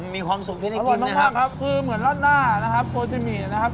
มีความสุขที่ได้กินบ้างครับคือเหมือนราดหน้านะครับโปรจิหมี่นะครับ